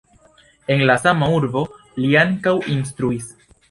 En La sama urbo li ankaŭ instruis.